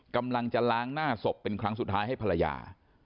กำลังจะล้างหน้าศพเป็นครั้งสุดท้ายให้ภรรยา